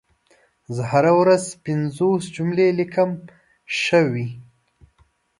زه هره ورځ پنځوس جملي ليکم شوي